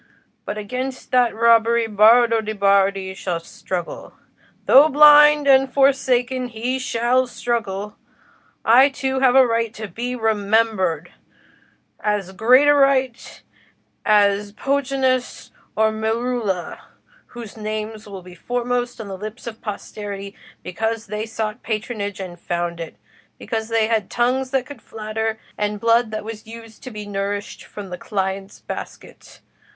But against that robbery Bardo de' Bardi shall struggle—though blind and forsaken, he shall struggle. I too have a right to be remembered—as great a right as Pontanus or Merula, whose names will be foremost on the lips of posterity, because they sought patronage and found it; because they had tongues that could flatter, and blood that was used to be nourished from the client's basket.